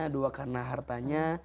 dua karena hartanya